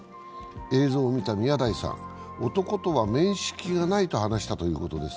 映像を見た宮台さん、男とは面識がないと話したということです。